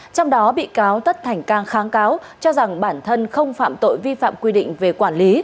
trong đó bị cáo tất thành cang kháng cáo cho rằng bản thân không phạm tội vi phạm quy định về quản lý